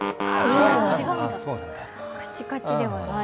カチカチではない。